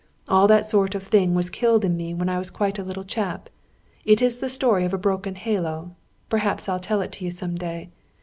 All that sort of thing was killed in me when I was quite a little chap. It is the story of a broken halo. Perhaps I'll tell it you some day.